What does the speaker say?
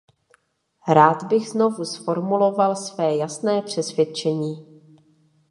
Rád bych znovu zformuloval své jasné přesvědčení.